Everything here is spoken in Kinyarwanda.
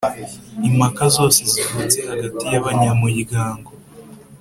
Impaka zose zivutse hagati y abanyamuryango